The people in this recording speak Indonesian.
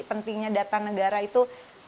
pentingnya data negara itu